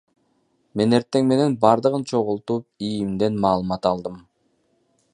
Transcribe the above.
Мен эртең менен бардыгын чогултуп, ИИМден маалымат алдым.